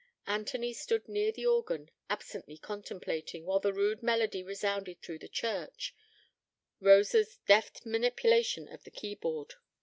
Anthony stood near the organ, absently contemplating, while the rude melody resounded through the church, Rosa's deft manipulation of the key board.